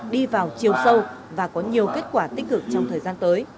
đi vào chiều sâu và có nhiều kết quả tích cực trong thời gian tới